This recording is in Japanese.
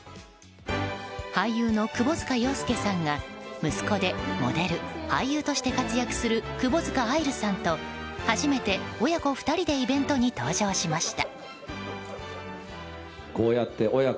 俳優の窪塚洋介さんが息子でモデル、俳優と活躍する窪塚愛流さんと初めて親子２人でイベントに登場しました。